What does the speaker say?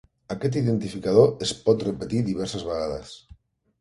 Aquest identificador es pot repetir diverses vegades.